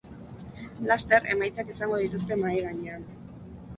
Laster, emaitzak izango dituzte mahai gainean.